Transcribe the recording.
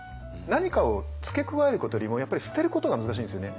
何かを付け加えることよりもやっぱり捨てることが難しいんですよね。